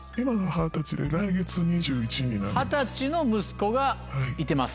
二十歳の息子がいてます。